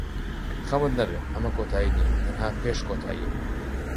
خەمت نەبێت، ئەمە کۆتایی نییە، تەنها پێش کۆتایییە.